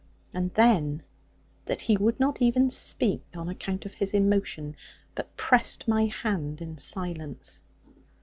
And then, that he would not even speak, on account of his emotion; but pressed my hand in silence!